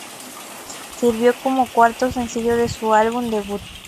Sirvió como cuarto sencillo de su álbum debut.